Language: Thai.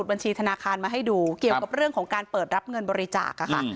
ตำรวจบอกว่าภายในสัปดาห์เนี้ยจะรู้ผลของเครื่องจับเท็จนะคะ